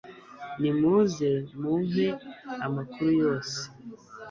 ni muze mu mpe amakuru yose